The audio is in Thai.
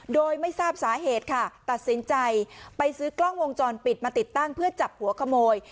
โดยไม่ทราบสาเหตุค่ะตัดสินใจไปซื้อกล้องวงจรปิดมาติดตั้งเพื่อจับหัวขโมย